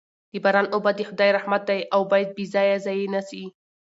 د باران اوبه د خدای رحمت دی او باید بې ځایه ضایع نه سي.